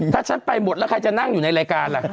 ถ้าฉันไปหมดแล้วใครจะนั่งอยู่ในรายการล่ะ